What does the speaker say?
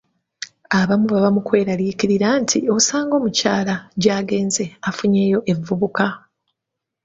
Abamu baba mu kweraliikirira nti osanga omukyala gy’agenze afunyeeyo evvubuka.